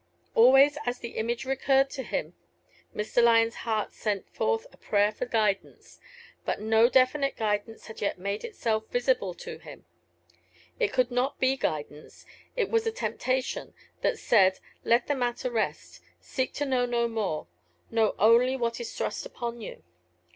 Always as the image recurred to him Mr. Lyon's heart sent forth a prayer for guidance, but no definite guidance had yet made itself visible for him. It could not be guidance it was a temptation that said, "Let the matter rest: seek to know no more; know only what is thrust upon you."